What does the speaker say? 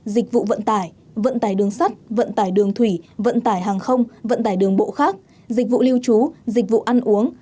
dịch vụ vận tải vận tải đường sắt vận tải đường thủy vận tải hàng không vận tải đường bộ khác dịch vụ lưu trú dịch vụ ăn uống